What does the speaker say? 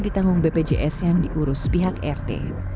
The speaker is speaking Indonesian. di tanggung bpjs yang diurus pihak rt